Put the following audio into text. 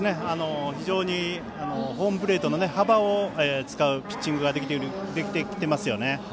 非常にホームプレートの幅を使うピッチングができてきてますね。